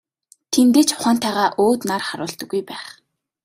Тиймдээ ч ухаантайгаа өөд нар харуулдаггүй байх.